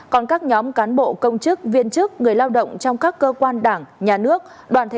còn các nhóm cán bộ công chức viên chức người lao động trong các cơ quan đảng nhà nước đoàn thể